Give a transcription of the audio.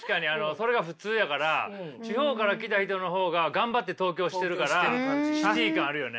それが普通やから地方から来た人の方が頑張って東京してるからＣＩＴＹ感あるよね。